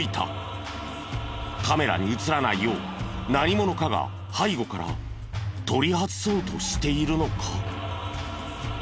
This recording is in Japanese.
カメラに映らないよう何者かが背後から取り外そうとしているのか？